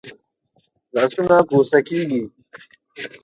لاسونه بوسه کېږي